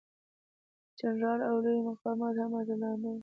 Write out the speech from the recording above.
جنرالان او لوی مقامات هم اتلان نه وو.